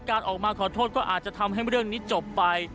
การออกมาขอโทษก็อาจจะทำให้เรื่องนี้จบไป